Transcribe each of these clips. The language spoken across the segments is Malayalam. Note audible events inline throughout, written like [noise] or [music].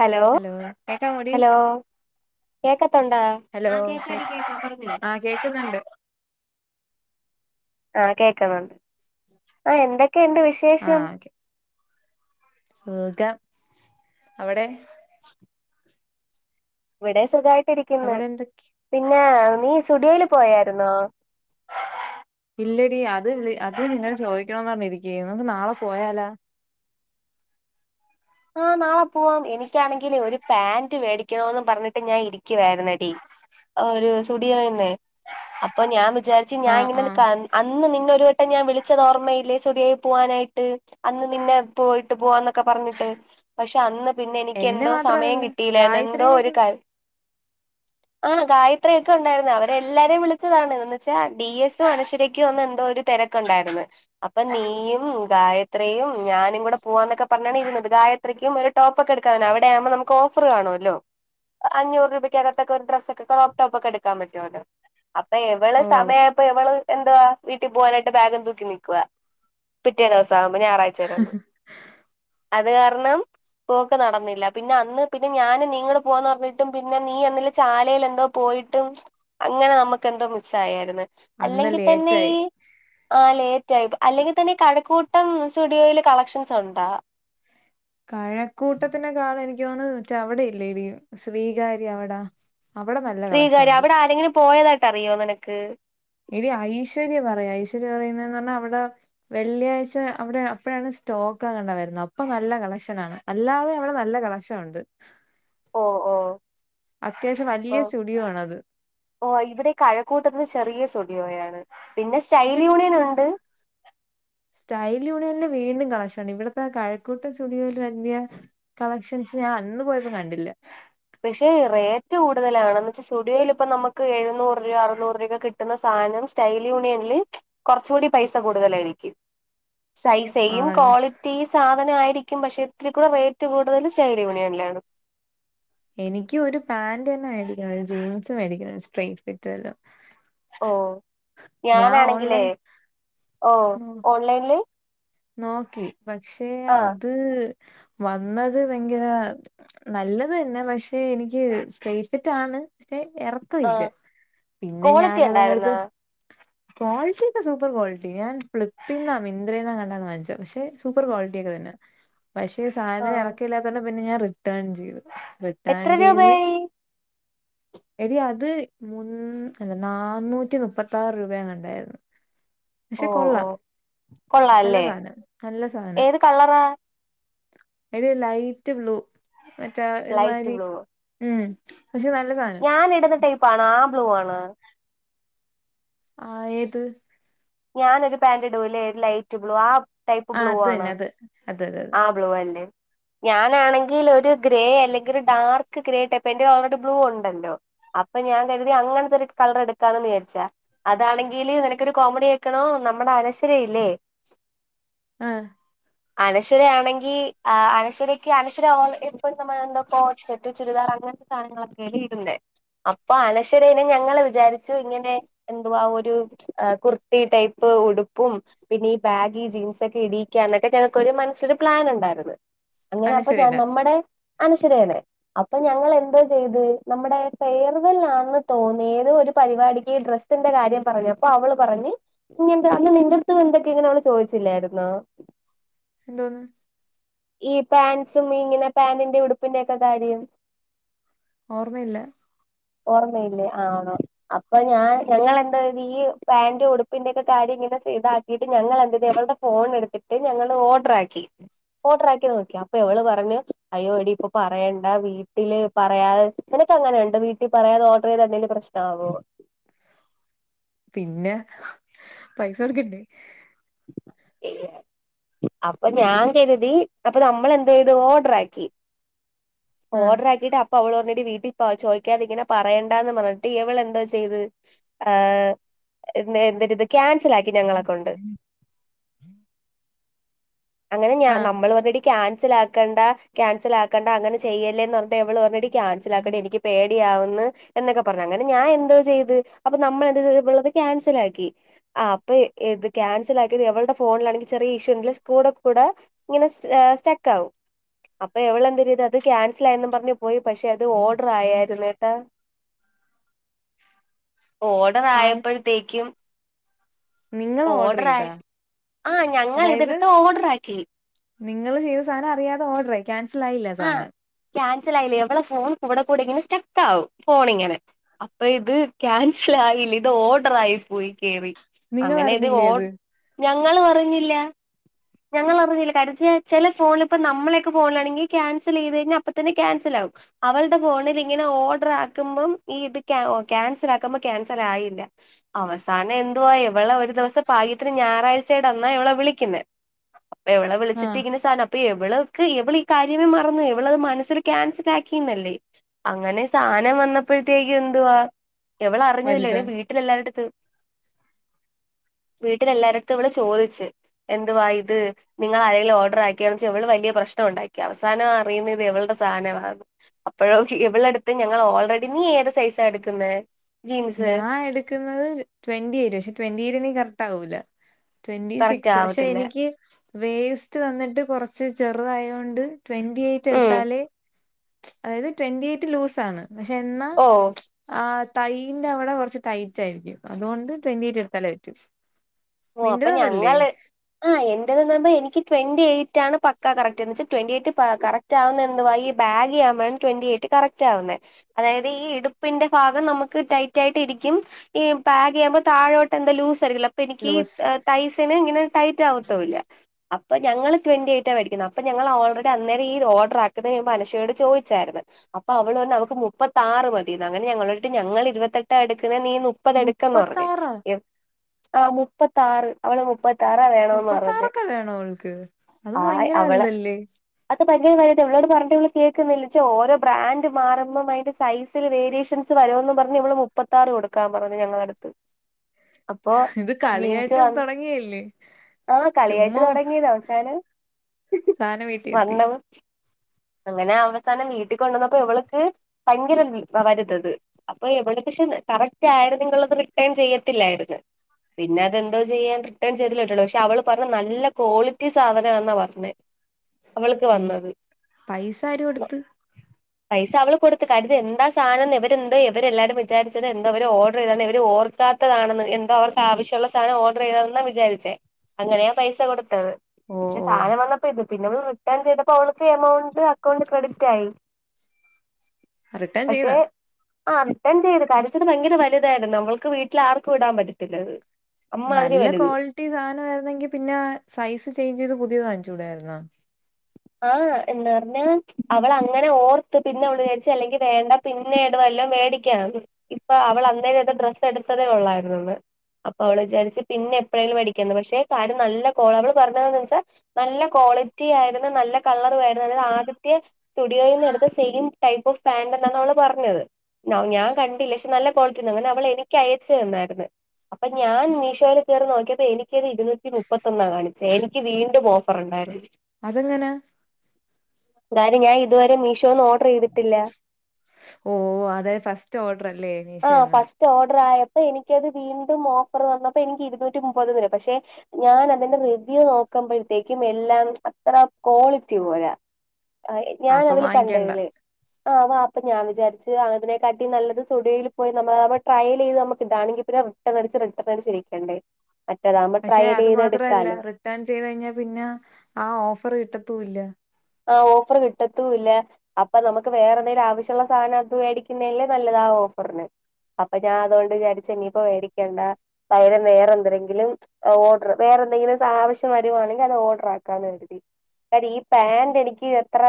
ഹലോ കേക്കാൻ കൂടി ഹലോ കേക്കത്തൊണ്ടാ ആഹ് കേക്കാടി കേക്കാ പറഞ്ഞോ ആഹ് കേക്കുന്നണ്ട് ആഹ് കേക്കുന്നെണ്ട് ആഹ് എന്തൊക്കെയെണ്ട് ആ വിശേഷം ഓക്കെ സുഖം അവിടെ [inaudible] ഇവിടേം സുഖായിട്ടിരിക്കുന്നു അവിടെ എന്തൊക്കെ പിന്നെ നീ സുഡിയോല് പോയാരിന്നോ ഇല്ലടി അത് അത് നിന്നോട് ചോദിക്കണോന്ന് പറഞ്ഞിരിക്കേര്ന്നു നമുക്ക് നാളെ പോയാലാ ആ നാളെ പോവാം എനിക്കാണെങ്കില് ഒരു പാൻറ്റ് മേടിക്കണോന്ന് പറഞ്ഞിട്ട് ഞാൻ ഇരി ക്കുവായിരുന്നടീ ഒരു സുടിയോയിന്നെ അപ്പൊ ഞാൻ വിചാരിച്ച് ആ ഞാൻ ആ ഇങ്ങനൊന്ന് കൺ അന്ന് നിന്നൊരു വട്ടം ഞാൻ വിളിച്ചത് ഓർമ്മയില്ലേ സുടിയോയി പോവാനായിട്ട് അന്ന് നിന്നെ പോയിട്ട് പോവാന്നൊക്കെ പറഞ്ഞിട്ട് പക്ഷെ അന്ന് പിന്നെ എനിക്ക് എന്നെ എന്തോ സമയം മാത്രല്ല കിട്ടിയില്ലാരുന്ന് എന്തോ ഒരു ഗായത്രീനൊക്കെ കാ ആഹ് ഗായത്രിയൊക്കെ ഉണ്ടായിരുന്നു അവരെല്ലാരേം വിളിച്ചതാണ് എന്ന് വെച്ചാ ഡി എസ്സും അനശ്വരയ്ക്കും അന്ന് എന്തോ ഒരു തിര ക്കെണ്ടായിരുന്നു അപ്പൊ നീയും ഗായത്രിയും ഞാനും കൂടെ പോവാന്നൊക്കെ പറഞ്ഞാണ് ഇരുന്നത് ഗായ ത്രിക്കും ഒരു ടോപ്പൊക്കെ എടുക്കാന് അവിടെയാമ്പോ നമുക്ക് ഓഫർ കാണുവല്ലോ അഞ്ഞൂറ് രൂപക്ക്ക്കകത്തൊക്കെ ഒരു ഡ്രസ് ഒക്കെ ക്രോപ് ടോപ്പൊക്കെ എടുക്കാൻ പറ്റുവല്ലൊ അപ്പ എവള് ഓ സമയാ യപ്പ എവള് എന്ത്‌വാ വീട്ടി പോവാനായിട്ട് ബാഗും തൂക്കി നിക്കുവാ പിറ്റേ ദിവസാവുമ്പോ ഞായറാഴ് ച്ചേടന്ന് അത് കാരണം പോക്ക് നടന്നില്ല പിന്നെ അന്ന് പിന്നെ ഞാൻ നീയുംകുടെ പോവാന്ന് പറഞ്ഞിട്ടും പിന്നെ നീ അന്ന്ല്ലെ ചാലയിൽ എന്തോ പോയിട്ടും അങ്ങനെ നമ്മക്ക് എന്തോ മിസ്സായാരുന്നു അന്ന് അല്ലെങ്കി തന്നെ ലേറ്റായി ഈ ആ ലേറ്റ് ആയി് അല്ലെങ്കി തന്നെ കഴക്കൂട്ടം സ്റ്റുഡിയോയിൽ കളക്ഷൻസ് ഉണ്ടോ കഴക്കൂട്ടത്തിനേകാള് എനിക്ക് ക്ക് തോണ് അവിടെയില്ലേ എടീ സ്വീകാര്യ അവിടാ അവിടെ നല്ല കളക്ഷൻ ഉണ്ട് ശ്രീകാര്യംഅവിടെ ആരെങ്കിലും പോയതായിട്ട് അറിയോ നിനക്ക് എടീ ഐശ്വര്യ പറയഐശ്വര്യം പറയുന്നതന്ന് പറഞ്ഞാഅവിടെ വെള്ളിയാഴ്ച അവിടെ അപ്പഴാണ് സ്റ്റോക്ക് കണ്ട വരുന്നത് അപ്പൊ നല്ല കളക്ഷനാണ് അല്ലാതെ അവിടെ നല്ല കളക്ഷനുണ്ട് ഓ ഓ അത്യാവശ്യം അപ്പൊ വലിയ സ്റ്റുഡിയോ ആണത് ഓ ഇവിടെ കഴക്കൂട്ടത്ത് ചെറിയ സ്റ്റുഡിയോയാണ് പിന്നെ പക്ഷെ സ്റ്റൈൽ യൂണിയൻ ഉണ്ട് സ്റ്റൈൽ യൂണിയനി വീണ്ടും കളക്ഷണ്ട്‌ ഇവിടത്തെ കഴക്കൂട്ടം സ്റ്റുഡിയോല് അന്യ കളക്ഷൻസ് ഞാ അന്ന് പോയപ്പോ കണ്ടില്ല പക്ഷേ റേറ്റ് കൂടുതലാണ് എന്ന് വെചാൽ സുഡിയോയിൽ ഇപ്പൊ നമുക്ക് എഴുന്നൂറ് രൂഅ അറുന്നൂറ് രൂഅ കി കിട്ടുന്ന സാനം സ്റ്റൈൽ യൂണിയനില് കുറച്ചുകൂടി പൈസ കൂടുതലായിരിക്കും സൈ സെയിം ആണല്ലേ ക്വാളിറ്റീസ് സാധന ആയിരിക്കും പക്ഷെ ഇത്തിരി കൂടെ റേറ്റ് കൂടുതൽ സ്റ്റൈൽ യൂണിയനിലാണ് എനിക്ക് ഒരു പാന്റ് തന്ന മേടിക്കണം ഒരു ജീൻസും മേടിക്കണം സ്‌ട്രെയ്റ്റ് ഫിറ്റ് വല്ലോ ഓ ഞാനാണെങ്കിലേ ഓൺലൈൻ ഓ നോ ഓൺലൈനില് നോക്കി പക്ഷെ ആ അത് വന്നത് വയങ്കര നല്ലത് തന്നെ പക്ഷെ എനിക്ക് സ്ട്രയ്റ്റ് ഫിറ്റാണ് പക്ഷെ ആ എറക്കഇല്ല പിന്നെ ക്വാളിറ്റി ഞാനതങ്ങെടുത്ത് ഉണ്ടായിരുന്നാ ക്വാളിറ്റിക്കെ സൂപ്പർ ക്വാളിറ്റി ഞാൻ ഫ്ലിപ്പിന്നാ മിന്ദ്രന്നാ ണ്ണം വാങ്ങിച്ച പഷേ സൂപ്പറ് ക്വാളിറ്റി ഒക്കെ തന്നാ പഷേ ആ സാധനം ഇറക്കില തന്നെ പിന്നെ ഞാൻ റിട്ടേൺ ചെയ്ത് റിട്ടേൺ എത്ര ചെയ്ത് രൂപയായി എടി അത് മുന് അല്ല നാന്നൂറ്റി മുപ്പത്താറ് രൂപഅങ്ങാണ്ടാര്ന്ന് പഷേ ഓ ഓ കൊള്ളാം നല്ല കൊള്ളാല്ലേ സാധന നല്ല സാധനം ഏത് കളറാ ഒരു ലൈറ്റ് ബ്ലൂ മറ്റേ ലൈറ്റ് ഒരുമാരി ബ്ലൂ ഉം പക്ഷെ നല്ലസാ ഞാൻ ഇടുന്ന ടൈപ്പ്‌ ആണ ആ ബ്ലൂ ആണ ആഹ് ഏത് ഞാനൊരു പാന്റ് ഇടൂലേ ലൈറ്റ് ബ്ലൂ ആ ടൈപ്പ് ആ ബ്ലൂ അത് ആണ തന്നെ അത് അത് ബ്ലൂ അല്ലേ ഞാനാണെങ്കിൽ ഒരു ഗ്രേ അല്ലെങ്കി ഒരു ഡാർക്ക് ഗ്രേ ടെപ്പ്‌ എന്റെ ഓൾറെഡി ബ്ലൂ ഒണ്ടല്ലോ അപ്പൊ ഞാൻ കരുതി അങ്ങനത്തൊരു കളർ എടുക്കാന്ന് വിചാരിച്ചാ അതാണെങ്കില് നിനക്കൊരു കോമഡി കേക്കണോ നമ്മുടെ അനശ്വരയില്ലേ ആഹ് അനശ്വരയാണെങ്കി ആ അനശ്വരയ്ക്ക് അനശ്വര ആൾ എപ്പോഴ് നമ്മട്ത്ത് എന്തോ കോഡ് സ്സെറ്റ് ചുരിദാർ അങ്ങനത്തെ സാനങ്ങളൊക്കെ ആടി ഇടുന്നെ അപ്പൊ അനശ്വരെനെ ഞങ്ങള് വിചാരിച്ചു ഇങ്ങനെ എന്തുവാ ഒരു കുർത്തി ടൈപ്പ് ഉടുപ്പും പിന്നെ ഈ ബാഗീ ജീൻസ് ഒക്കെ ഇടീക്കന്നൊക്കെ ഞങ്ങ ക്കൊരു മനസ്സിലൊരു പ്ലാൻ ഉണ്ടാരുന്നു അങ്ങനെ അപ്പൊ ഞാൻ അനശ്വരേന നമ്മടെ അനശ്വരേനെ അപ്പൊ ഞങ്ങൾ എന്തോ ചെയ്ത് നമ്മുടെ പെയർ തന്നാന്ന് തോന്നി ഏതോ ഒരു പരിപാടിക്ക് ഡ്രസ് സ്സിന്റെ കാര്യം പറഞ്ഞു അപ്പൊ അവള് പറഞ് ഇങ്ങന്തെ അന്ന് നിന്റടുത്ത് എന്തൊക്കെ ഇങ്ങനെ അവള് ചോദിച്ചില്ലാരുന്നോ എന്തോന്ന് ഈ പാൻസും ഇങ്ങനെ പാന്റിന്റെ ഉടുപ്പിന്റെ ഒക്കെ കാര്യം ഓർമ്മയില്ല ഓർമ്മയില്ലേ ആഹ് ആണൊ അപ്പൊ ഞാൻ ഞങ്ങള് എന്തോ യ്ത് ഈ പാന്റ് ഉടുപ്പിന്റെ ഒക്കെ കാര്യം ഇങ്ങനെ ചെയ്താൽ വീട് ഞങ്ങൾ എന്തോ ചെയ്ത് ഇവള്ടെ ഫോൺ എടുത്തിട്ട് ഞങ്ങള് ഓർഡർ ആക്കി ഓഡറാക്കി നോക്കി അപ്പൊ ഇവള് പറഞ്ഞ് അയ്യോ എടി ഇപ്പൊ പറയണ്ട വീട്ടില് പറയാതെ നിനക്ക് അങ്ങനെ ണ്ടൊ വീട്ടി പറയാതെ ഓർഡർ ചെയ്ത എന്തെലും പ്രശ്നാവോ പിന്നെ പൈസ കൊടുക്കണ്ടെ ഏ അപ്പൊ ഞാൻ കരുതി അപ്പൊ നമ്മളെന്തെയ്ത് ഓഡർ ആക്കി ആ ഓഡർ ആക്കിട്ട് അ അപ്പ അവള് പറഞെടി വീട്ടി പ ചോദിക്കാതിങ്ങനെ പറയണ്ടാന്ന് പറഞ്ഞിട്ട് ഇവള് എന്തോചെയ്ത് ആ എന്തര് ഇത് ക്യാൻസലാക്കി ഞങ്ങളെകൊണ്ട് അങ്ങനെ ഞാ ആ നമ്മള് പറഞ്ഞടി ക്യാൻസല് ആക്കണ്ട ക്യാൻസല് ആക്കണ്ട അങ്ങനെ ചെയ്യല്ലേന്ന് എവള് പറഞ്ഞ് ടി ക്യാൻസലാക്കെടി എനിക്ക് പേടിയാവ്ന്ന് എന്ന്ക്കെ പറഞ്ഞ് അങ്ങനെ ഞാഎന്തോചെയ്ത് അപ്പൊ നമ്മളത് [unintelligible] ഇവളത് ക്യാൻസലാക്കി ആ പ്പ ഏത് ക്യാൻസല് ആക്കിയത് ഇവൾടെ ഫോണിലാണെങ്കി ചെറിയ ഇഷുങ്കിലും കൂടെ കൂടെ ഇങ്ങനെ ഏ സ്റ്റക്ക് ആവും അപ്പാ ഇവള് എന്തരെയ്ത് അത് ക്യാൻസലായെന്നും പറഞ്ഞ് പോയി പക്ഷെ അത് ഓർഡറ് ആയാര്ന്നേട്ടാ ഓ ആ ഓടറായപ്പഴ്ത്തേക്കും നിങ്ങൾ ഓർഡറെയ്താ ആയി ആ ഞങ്ങൾ അതായത് ഇതെടുത്ത് ഓർഡർ ആക്കി നിങ്ങള് ചെയ്ത സാനം അറിയാതെ ഓർഡറായി ക്യാൻസലായില്ല സാനം ക്യാൻസലായില്ല ഇവള ഫോൺ കൂടെ കൂടെ ഇങ്ങനെ സ്റ്റക്കാവും ഫോണിങ്ങനെ അപ്പ ഇത് ക്യാൻസൽ ആയില്ല ഇത് ഓർഡർ ആയി പോയി കേറി നിങ്ങൾ അങ്ങനെ ഇത് ഓ അറിഞ്ഞില്ലേ അത് ഞങ്ങളും അറി ഞ്ഞില്ലാ ഞങ്ങള് അറിഞ്ഞില്ല കരിച്ച് ചെല ഫോണിലിപ്പൊ നമ്മളെക്കെ ഫോണിലാണെങ്കി ക്യാസലീത് കയ്ഞ്ഞാ അപ്പ തന്നെ ക്യാൻസലാവും അവൾടെ ഫോണില് ഇങ്ങനെ ഓർഡർ ആക്കുമ്പോ ഈ ഇത് ക്യാ ക്യാൻസല് ആക്ക്മ്പോ ക്യാൻസലായില്ല അവസാനം എന്തുവാ ഇവളെ ഒര് ദിവസം പാഗ്യത്തിന് ഞായറാഴ്ച്ചേ ട ന്നാ ഇവളെ വിളിക്ക്ന്നെ ഇവളെ വിളിച്ചിട്ട് ആഹ് ഇങ്ങനെ സാനം അപ്പാ ഇവള്ക്ക് ഇവള് ഈ കാര്യമേ മറന്നോയി ഇവളത് മനസ്സില് ക്യാൻസലാക്കിന്നല്ലേ അങ്ങനെ സാനം വന്നപ്പഴ്ത്തേക്ക് എന്തുവാ എവള അറിഞ്ഞതല്ല വലുതാ വീ ട്ട്ലെല്ലാര്ട്ത്ത് വീട്ടിലെല്ലാര്ട്ത്തും ഇവള് ചോദിച്ച് എന്തുവാ ഇത് നിങ്ങളാരേലും ഓർഡറാക്കിയാണ്‌ച്ച് ഇവള് വലിയ പ്രശ്നം ഉണ്ടാ ക്കി അവസാന അറിയുന്നഇത് ഇവൾടെ സാധനവാന്ന് അപ്പഴും ഇവളട്ത്ത് ഞങ്ങള് ഓൾറെഡി നീ ഏത് സൈസാ എട്ക്ക്ന്നേ ഞാൻ എട്ക്ക്ന്നത് ട്വന്റിരെ പക്ഷെ ട്വന്റിരെ എനിക്ക് കറക്റ്റ് ആകൂല ട്വന്റി കറക്റ്റ് സിക്സ് പക്ഷെ ആവത്തില്ല എനിക്ക് വേസ്റ്റ് വന്നിട്ട് കൊറച്ച് ചെറ്തായോണ്ട് ട്വന്റി എയ്റ്റ് ഉം എട്ത്താലേ അതായത് ട്വന്റി എയ്റ്റ് ലൂസ് ആണ് പക്ഷെ എന്നാ ഓ ആ കൈ - ന്റെ അവടെ കൊർച്ച് ടൈറ്റായിരിക്കും അതൊണ്ട് ട്വന്റി എയ്റ്റ് എട്ത്താലേ പറ്റൂ നിന്റെത് അതല്ലേ ആ്എന്റെതന്നറയുബോ എനിക്ക് ട്വന്റി എയ്റ്റ് ആണ് പക്ക് ക്ക കറക്റ്റ് എന്ന് വെച്ച ട്വന്റി എയ്റ്റ് കറക്റ്റ് ആവുന്ന എന്തുവാ ഈ ബാഗിയാവുമ്പ വുമ്പഴ് ട്വന്റി എയ്റ്റ് കറക്റ്റ് റ്റാവുന്നേ അതായത് ഈ ഇടുപ്പിന്റെ ഭാഗം നമ്മക്ക് ടൈറ്റായിട്ട് ഇരിക്കും ഈ പാഗീയാമ്പോ താഴോട്ട് എന്താ ലൂസ് ആയിരിക്കല്ലോ അപ്പ എനിക്ക് ലൂസ് സൈസിനു സ്ന് ഇങ്ങനെ ടൈറ്റ് ആവത്തുല്ലാ അപ്പ ഞങ്ങള് ട്വന്റി എയ്റ്റാ വേടിക്ക്ന്ന് അപ്പ ഞങ്ങളാ ഓൾറെഡി അന്നേരം ഓർഡർ ആക്കുംന്നേന് മുൻപ് അനഷ്യ യോട് ചോയിച്ചാര്ന്ന അപ്പ അവളരഞ്ഞു അവക്ക് മുപ്പത്താറ് മതീന്ന് അങ്ങനെ ഞങളേട്ട് ഞങ്ങള് ഇര് വത്തെട്ടാ എട്ക്ക്ന്നെ നീ മുപ്പത് എട്ക്കന്ന് പറഞ്ഞ് മുപ്പത്താറാ ആ മുപ്പത്താറ് അവള് മുപ്പ ത്താറാ വേണന്ന് പറഞ്ഞ് മുപ്പത്താറൊക്കെ വേണോ അവൾക്ക് അത് ആ ഭയങ്കര അവളെ വലുതല്ലേ അത് ഭയങ്കര വൽത് ഇവളോട് പറഞ്ഞട്ട് ഇവള് കേക്ക്ന്നില്ലച്ച ഓരോ ബ്രാന്റ് മാർമ്പോ മയിന്റെ സൈസില് വേരിയേഷൻ സ് വരോന്ന് പറഞ്ഞ് ഇവള് മുപ്പത്താറ് കൊടുക്കാൻ പറഞ്ഞ് ഞങ്ങളട്ത്ത് അപ്പൊ ഇത് ജീൻസ് കളിയായിട്ട് വന്ന് തൊടങ്ങിയല്ലേ ആ കളിയായിട്ട് തൊടങ്ങിയത് അവസാനം സാധനം വീട്ടിൽ എത്തി വണം അങ്ങനെ അവസാനം വീട്ടീ കൊണ്ടന്നപ്പോ ഇവള്ക്ക് ഭയങ്കര വീ വരതത് അപ്പൊ ഇവള്തേഷം കറക്റ്റ് ആയര്ന്ന് നിങ്ങളത് റിട്ടേൺ ചെയ്യത്തില്ലായിര്ന്ന് പിന്നെ അതന്തൊ ചെയ്യാ റിട്ടേൺ ചെയ്തല്ലാറ്റോ പക്ഷെ അവള് പറഞ്ഞ് നല്ല ക്വാളിറ്റി സാധനാന്നാ പറഞ്ഞ് അവൾക്ക് വീ വന്നത് പൈസ ആര് കൊടുത്ത് പൈസ അവള് കൊട്ത്ത് കാര്യത് എന്താ സാനംന്ന് ഇവരെന്ത ഇവരെല്ലാരും വിചാരിച്ചത് എന്താ ഇവര് ഓർഡറ് ചെയ്താർന്ന് ഇവര് ഓ പത്തതാണന്ന് എന്താ ഓർക്ക്വശ്യമുള്ള സാനം ഓർഡർ യ്തന്നാ വിചാരിച്ചേ അങ്ങനെയാ പൈസ കൊടുത്തത് ഓ പക്ഷെ ഓ സാനം വന്ന പിത്പിന്നെ അവള് റിട്ടേൺ ചെയ്തപ്പോ അവൾക്ക് എമൗണ്ട് അക്കൗണ്ട് ക്രെഡിറ്റ് ആയി റിട്ടേൺ പക്ഷെ ചെയ്താ ആ റിട്ടേൺ ചെയ്ത് കരച്ചത് ഭയങ്കര വലുതായിരുന്നു നമ്മൾക്ക് വീട്ടിൽ ആർക്കും ഇടാൻ പറ്റത്തില്ലത് നല്ല ക്വാളിറ്റി സാധന ആയിരുന്നെങ്കി പിന്നെ സൈസ് ചേഞ്ച് ചെയ്ത് പുതിയത് വാങ്ങിച്ചുടരുന്നോ ആഹ് എന്ന് പറഞ്ഞാ അവളങ്ങനെ ഓർത്ത് പിന്നെ അവള് വിചരിച്ച അല്ലെങ്കി വേണ്ട പിന്നെ ട് തെല്ലാം വേടിക്കാം ഇപ്പൊ അവൾ അന്നേത്തെ ഡ്രസ് എടുത്തതേ ഉള്ളായിരുന്നുന്ന് അപ്പൊ അവള് വിചാരിച്ച് പിന്നെ എപ്പോഴെങ്കിലും മേിക്കുന്നത് പക്ഷേ കാര്യംല്ല കോ അവള് പറഞ്ഞതന്ന് വെച്ചാൽ നല്ല ക്വാളിറ്റി ആയിരുന്നു നല്ല കളറു ആയിരുന്നു ആദ്യത്തെ സ്റ്റുഡിയോയിൽ നിന്ന് എടുത്ത സെയിം ടൈപ്പും പാന്റന്നന്നോള് പറഞ്ഞത് ഞാവ് ഞാൻ കണ്ടില്ല ക്ഷെ നല്ല ക്വാളിറ്റിന്ന് ങ്ങനെ അവള് എനിക്ക് അയച്ച്തന്നായിരുന്ന്അപ്പ ഞാൻ മീഷോല് യർ നോക്കിയപ്പോ എനിക്കരു ഇരുന്നൂറ്റി മുപ്പത്തൊന്നാ കാണിച്ചേ എനിക്ക് വീണ്ടും ഓഫർ ഉണ്ടായിരുന്നു അതെങ്ങനാ ന്തായാലുംഞാൻ ഇതുവരെ മീഷോന്ന്ഓ ഓ അതെഫസ്റ്റ് ഓർഡർല്ലേ മി ആഹ് ഷോന്ന് ഫസ്റ്റ് ഓർഡർ ആയപ്പോ എനിക്കത് വീണ്ടും ഓഫർ വന്നപ്പോ എനിക്ക് ഇരുന്നൂറ്റി മുപ്പത് വരെ പക്ഷെ ഞാൻ അതിന്റെ റിവ്യൂ നോക്കുമ്പോഴത്തേക്കും എല്ലാം ഒരാ ക്വാളിറ്റി പോര അപ്പൊ ഞാനതില് വാങ്ങിക്കണ്ട കണ്ടേല് ആഹ് വപ്പ ഞാൻ വിചാരിച്ച് അതിനെ കാട്ടി നല്ലത് സുഡിയോയിൽ പോയി നമ്മ അവ ട്രൈ ചെയ്ത് നമക്ക ഇതാണെങ്കി പിന്നെ ട്ടടച്ച് റിട്ടേൺ അടിച്ചിരിക്കണ്ടേ മറ്റതാകുമ്പോ പക്ഷെ ട്രയല് അത് യ്ത് മാത്രല്ല എടുക്കാലോ റിട്ടേൺ ചെയ്ത് കഴിഞ്ഞാൽ പിന്നെ ആ ഓഫർ കിട്ടത്തുല്ല ആഹ് ഓഫറ് കിട്ടത്തൂല്ല അപ്പം നമുക്ക് വേറെ എന്തെങ്കിലും ആവശ്യള്ള സാധനം അത് വേടിക്കുന്നതില് നല്ലതാ ഓഫറിന് അപ്പൊ ഞാൻ അതുണ്ട് വിചാരിച്ച് ഇനിയിപ്പോ മേടിക്കണ്ട പകരം വേറെ എന്തെങ്കിലും ഓർഡർ വേറെ എന്തെങ്കിലും ആവശ്യം വരുവാണെങ്കിൽ അത് ഓർഡർ ആക്കാന്ന് കരുതി കാര ഈ പാൻറ് എനിക്ക് എത്ര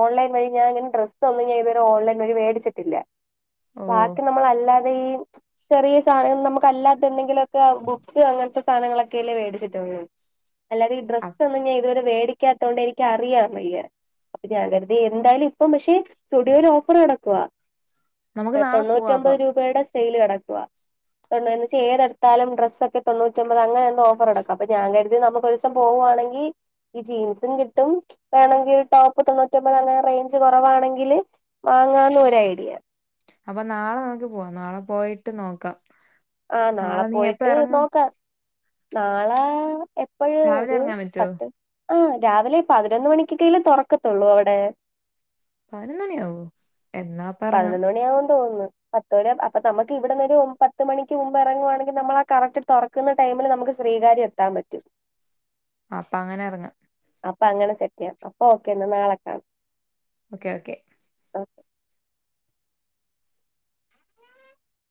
ഓൺലൈ വിഞൻ ഇങ്ങനെ ഡ്രസ്സ് ഒന്നും ഞാൻതുവരെ ഓൺലൈൻ വഴി മേടിച്ചിട്ടില്ല ഓ ബാക്കി നമ്മളല്ലാതെ ഈ ചെറിയ സാധനങ്ങ നമുക്ക് അല്ലാത്ത എന്തെങ്കിലുമൊക്കെ ബുക്ക് അങ്ങനത്തെ സാധനങ്ങളൊക്കെല്ലേ മേടിച്ചിട്ടൊള്ളു അല്ലാതെ ഈ അ- ഡ്രസ്സ് ഒന്നുംഞാ ഇതുവരെ വേടിക്കാത്തോണ്ട് എനിക്ക് അറിയാം വയ്യ അപ്പ ഞാ കരുതിഎന്തായാലും ഇപ്പ പഷ സുഡിയോല് ഓഫറ് നടക്കുവാ നമുക്ക് നാളെ പോവാ തൊണ്ണൂറ്റൊമ്പത് അപ്പം രൂപയുടെ സെയിൽ കടക്കുവാ [unintelligible] ഏതടുത്താലും ഡ്രസ് ഒക്കെ തൊണ്ണൂറ്റമ്പത് അങ്ങനെ ഓഫറടക്കം അപ്പൊ ഞാൻ കരുതി നമുക്കൊരുസം പോവാണെങ്കി ഈ ജീൻസും കിട്ടും വേണങ്കിൽ ടോപ്പ് തൊണ്ണൂറ്റിമ്പത് അങ്ങനെ റേഞ്ച് കുറവാണെങ്കില് വാങ്ങാന്ന് ഒരു ഐഡിയ അപ്പൊ നാളെ നമ്മുക്ക് പോവാം നാളെ പോയിട്ട് നോക്കാം ആഹ് നാളെ നീ എപ്പ പോയിട്ട് എറങ്ങും നോക്കാം നാളെ എപ്പോഴ് രാവിലെ ഒരു എറങ്ങാൻ പറ്റുവോ പത്ത് ആ് രാവിലെ പതിനൊന്ന് മണിക്കൊക്കെ തുറക്കത്തുള്ളൂ അവിടെ പത് നൊന്ന് മണി ആവോ എന്നാ എറങ്ങാം പതിനൊന്ന് മണിയാവും തോന്ന്ന്ന് പത്ത് മണിയാവും അപ്പൊ നമുക്ക് ഇവിടുന്നൊരു പത്ത് മണിക്ക് മുമ്പ് എറങ്ങ്യാണെങ്കിൽ നമ്മളാ കറക്റ്റ് തൊറ ക്കുന്ന ടൈമില് നമുക്ക് സ്രികാര്യം എത്താൻ പറ്റും അപ്പ അങ്ങനെ ഇറങ്ങാ അപ്പൊ അങ്ങനെ സെറ്റ്യ്യാം അപ്പൊ ഓക്കെ എന്നാ നാളെ കാണാം ഓക്കെ ഓക്കേ ഒ